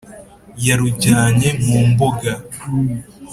yarujyanye mu mbuga